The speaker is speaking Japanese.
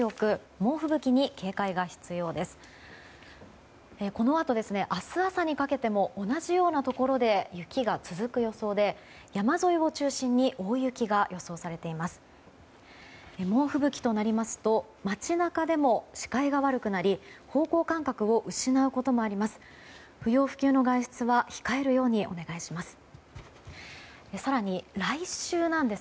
猛吹雪となりますと街中でも視界が悪くなり方向感覚を失うことがあります。